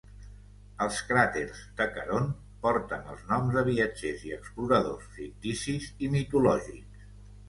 Els cràters de Caront porten els noms de viatgers i exploradors ficticis i mitològics.